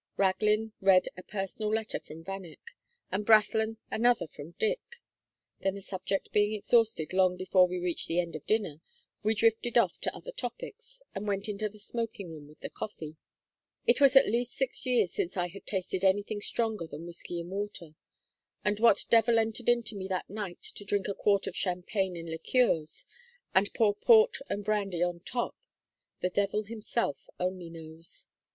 Raglin read a personal letter from Vanneck, and Brathland another from Dick. Then, the subject being exhausted long before we reached the end of dinner, we drifted off to other topics; and went into the smoking room with the coffee. "It was at least six years since I had tasted anything stronger than whiskey and water, and what devil entered into me that night to drink a quart of champagne, and liqueurs, and pour port and brandy on top, the devil himself only knows.